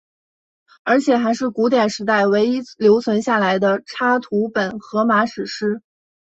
而且还是古典时代唯一留存下来的插图本荷马史诗。